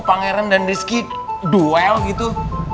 pangeran dan rizky duel gitu